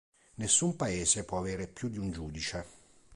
Nessun paese può avere più di un giudice.